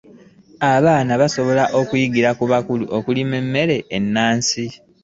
Abaana basobola okuyigira ku bakulu okulima emmere ennansi.